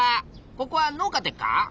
ここは農家でっか？